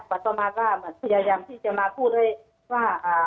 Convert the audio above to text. แต่ต่อมาว่าเหมือนพยายามที่จะมาพูดว่า